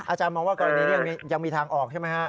อาจารย์มองว่ากรณีนี้ยังมีทางออกใช่ไหมฮะ